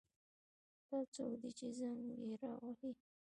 دا څوک ده چې زنګ یې را وهي